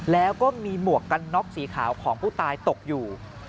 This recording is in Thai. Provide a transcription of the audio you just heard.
แล้วก็มีหมวกกันน็อกสีขาวของผู้ตายตกอยู่